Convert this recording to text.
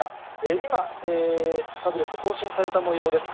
今、タブレット更新されたもようです。